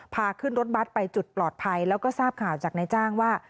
พาขึ้นรถบัตรไปจุดปลอดภัยแล้วก็ทราบข่าวจากนายจ้างว่า